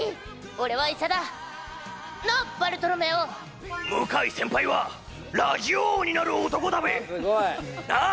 俺は医者だなっバルトロメオ向井先輩はラジオ王になる男だべなあ